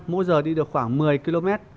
mỗi giờ đi được khoảng một mươi km